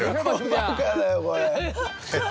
バカだよこれ。